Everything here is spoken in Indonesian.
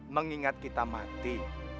mengingat kita mati